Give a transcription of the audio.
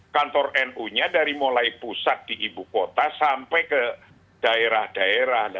kantor nu nya dari mulai pusat di ibu kota sampai ke daerah daerah